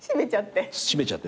閉めちゃって。